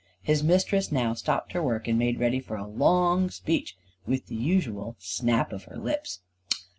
His mistress now stopped her work, and made ready for a long speech, with the usual snap of her lips.